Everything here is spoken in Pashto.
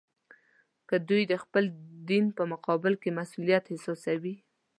که دوی د خپل دین په مقابل کې مسوولیت احساسوي.